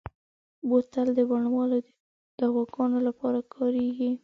بوتل د بڼوالو د دواګانو لپاره کارېږي.